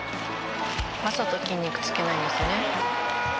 「わざと筋肉つけないんですね」